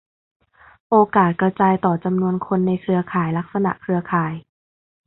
โอกาสกระจายต่อ จำนวนคนในเครือข่าย ลักษณะเครือข่าย